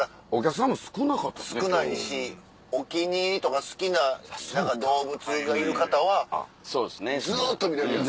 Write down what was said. お気に入りとか好きな動物がいる方はずっと見れるやん。